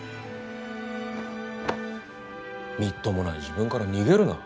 みっともない自分から逃げるな。